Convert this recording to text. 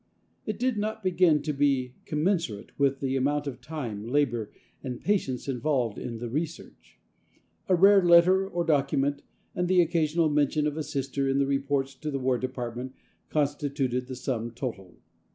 It did not begin to be commensurate with the amount of time, labor and patience involved in the research. A rare letter or document, and the occasional mention of a Sister in the reports to the War Department constituted the sum total.